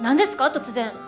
突然。